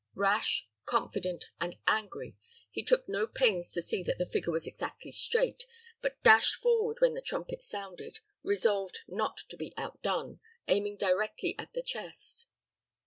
Rash, confident, and angry, he took no pains to see that the figure was exactly straight, but dashed forward when the trumpet sounded, resolved not to be outdone, aiming directly at the chest.